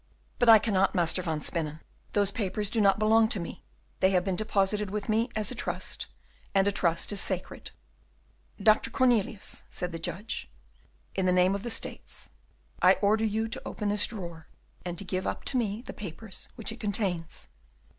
"But I cannot, Master van Spennen; those papers do not belong to me; they have been deposited with me as a trust, and a trust is sacred." "Dr. Cornelius," said the judge, "in the name of the States, I order you to open this drawer, and to give up to me the papers which it contains."